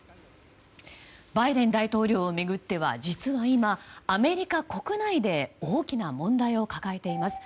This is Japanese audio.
バイデン大統領を巡っては実は今アメリカ国内で大きな問題を抱えています。